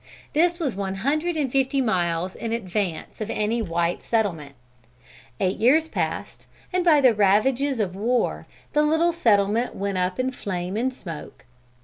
This was one hundred and fifty miles in advance of any white settlement. Eight years passed, and by the ravages of war the little settlement went up in flame and smoke.